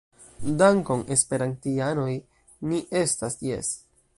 Dankon, esperantianoj ni estas Jes